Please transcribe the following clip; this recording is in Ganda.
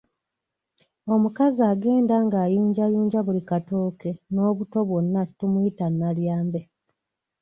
Omukazi agenda ng'ayunjayunja buli katooke n'obuto bwonna tumuyita Nalyambe.